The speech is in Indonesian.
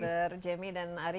dokter jemmy dan ari